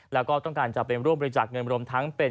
แล้วก็ต้องการจะไปร่วมบริจาคเงินรวมทั้งเป็น